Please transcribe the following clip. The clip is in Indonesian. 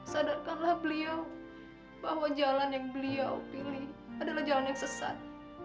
sadarkanlah beliau bahwa jalan yang beliau pilih adalah jalan yang sesat